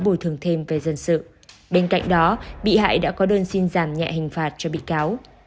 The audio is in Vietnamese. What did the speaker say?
bồi thường thêm về dân sự bên cạnh đó bị hại đã có đơn xin giảm nhẹ hình phạt cho bị cáo